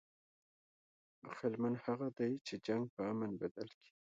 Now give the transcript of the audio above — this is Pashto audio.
عقلمند هغه دئ، چي جنګ په امن بدل کي.